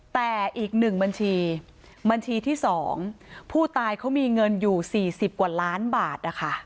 แต่อีกหนึ่งบัญชีบัญชีที่สองผู้ตายเขามีเงินอยู่สี่สิบกว่าล้านบาทอ่ะค่ะ